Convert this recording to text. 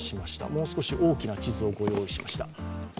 もう少し大きな地図をご用意しました。